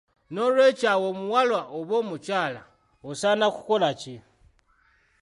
N'olwekyo awo omuwala oba omukyala osaana kukola ki?